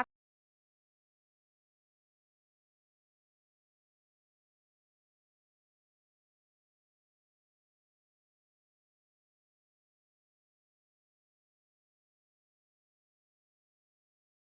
เรียนดูนะคะ